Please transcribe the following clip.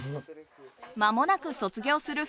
まもなく卒業するふたり。